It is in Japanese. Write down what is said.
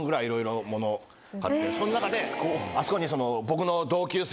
その中であそこに。